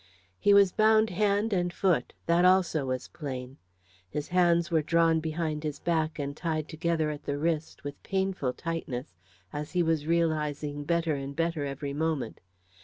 He was bound hand and foot that also was plain. His hands were drawn behind his back and tied together at the wrists, with painful tightness, as he was realising better and better every moment.